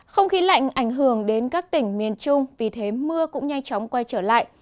không khí lạnh ảnh hưởng đến các tỉnh miền trung vì thế mưa cũng nhanh chóng quay trở lại